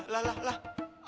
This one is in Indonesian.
lah lah lah